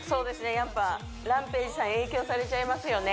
やっぱＲＡＭＰＡＧＥさん影響されちゃいますよね